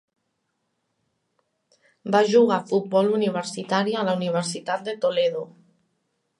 Va jugar a futbol universitari a la Universitat de Toledo.